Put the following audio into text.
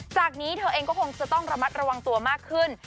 จากนี้เธอเองก็คงจะต้องระมัดระวังตัวมากขึ้น